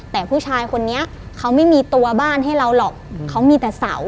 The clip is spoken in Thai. แต่ผู้ชายคนนี้เขาไม่มีตัวบ้านให้เราหรอกเขามีแต่เสา